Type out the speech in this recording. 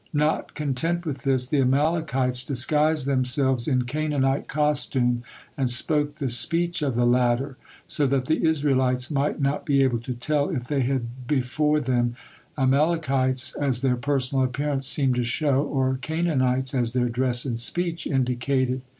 Not content with this, the Amalekites disguised themselves in Canaanite costume and spoke the speech of the latter, so that the Israelites might not be able to tell if they had before them Amalekites, as their personal appearance seemed to show, or Canaanites, as their dress and speech indicated.